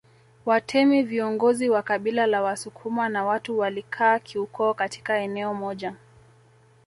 Watemi viongozi wa kabila la Wasukuma na watu walikaa kiukoo katika eneo moja